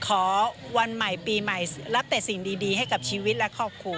ขอวันใหม่ปีใหม่รับแต่สิ่งดีให้กับชีวิตและครอบครัว